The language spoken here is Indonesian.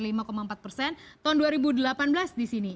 dan tahun dua ribu delapan belas disini